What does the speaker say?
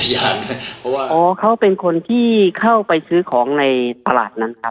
เพราะว่าเขาเป็นคนที่เข้าไปซื้อของในตลาดนั้นครับ